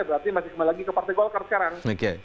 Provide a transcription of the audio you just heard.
berarti masih kembali lagi ke partai golkar sekarang